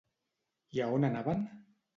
I a on anaven?